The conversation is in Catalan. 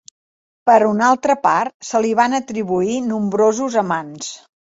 Per una altra part, se li van atribuir nombrosos amants.